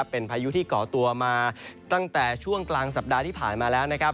เป็นพายุที่ก่อตัวมาตั้งแต่ช่วงกลางสัปดาห์ที่ผ่านมาแล้วนะครับ